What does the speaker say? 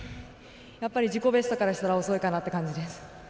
やっぱり自己ベストからしたら遅いかなという感じです。